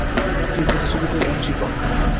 তুই প্রতিযোগিতায় এন্ট্রি কর!